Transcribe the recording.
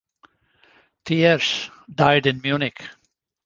Thiersch died in Munich.